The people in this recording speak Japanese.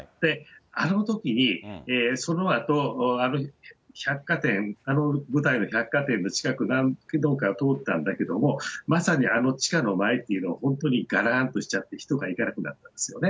あのときに、そのあとあの百貨店、あの舞台の百貨店の近くを通ったんだけども、まさにあの地下の前っていう本当にがらーんとして人が行かなくなったんですよね。